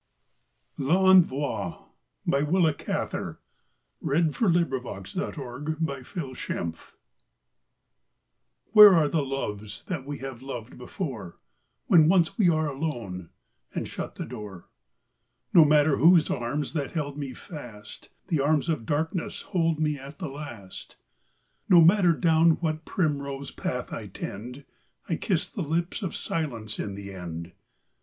ials for teachers poetry near you L’Envoi Willa Cather 1873 1947 Where are the loves that we have loved beforeWhen once we are alone, and shut the door? No matter whose the arms that held me fast, The arms of Darkness hold me at the last.No matter down what primrose path I tend,I kiss the lips of Silence in the end.